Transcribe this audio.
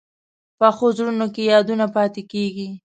پخو زړونو کې یادونه پاتې کېږي